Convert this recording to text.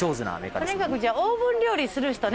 とにかくじゃあオーブン料理する人ね。